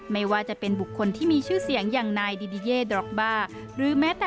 ไม่ว่าจะเป็นบุคคลที่มีชื่อเสียงอย่างนายดิดิเยเดอร์บาร์